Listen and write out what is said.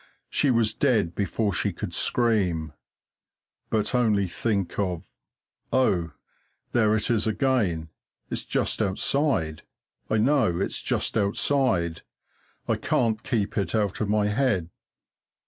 She was dead before she could scream, but only think of oh! there it is again it's just outside I know it's just outside I can't keep it out of my head!